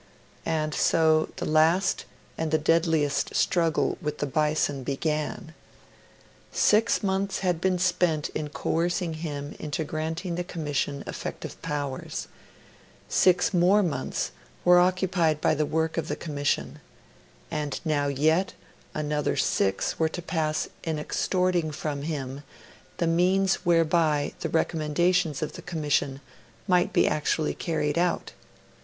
And so the last and the deadliest struggle with the Bison began. Six months had been spent in coercing him into granting the Commission effective powers; six more months were occupied by the work of the Commission; and now yet another six were to pass in extorting from him the means whereby the recommendations of the Commission might be actually carried out.